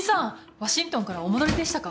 ワシントンからお戻りでしたか。